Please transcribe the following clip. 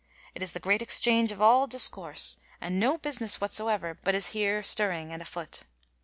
It is the great Exchange of all discourse, and no busines whatsoeuer but is here stirring and afoot.